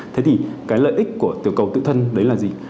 thế thì cái lợi ích của tiểu cầu tự thân đấy là gì